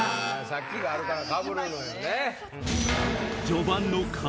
さっきがあるからかぶるのよね。